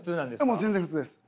もう全然普通です。